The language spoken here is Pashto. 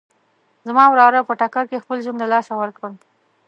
زما وراره په ټکر کې خپل ژوند له لاسه ورکړ